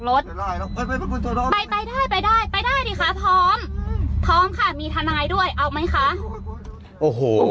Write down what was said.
พร้อมพร้อมค่ะมีทนายด้วยเอาไหมคะโอ้โห